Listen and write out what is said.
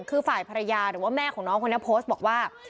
คือฝ่ายภรรยาหรือว่าแม่ของน้องคนนี้โพสต์บอกว่า